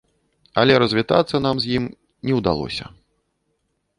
Але развітацца нам з ім не ўдалося.